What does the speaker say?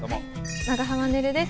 長濱ねるです